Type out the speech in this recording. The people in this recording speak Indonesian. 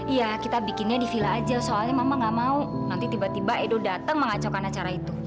iya kita bikinnya di villa aja soalnya mama gak mau nanti tiba tiba edo datang mengacaukan acara itu